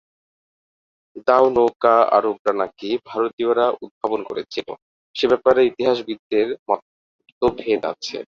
দাও নৌকা আরবরা নাকি ভারতীয়রা উদ্ভাবন করেছিল, সে ব্যাপারে ইতিহাসবিদদের মতভেদ আছে।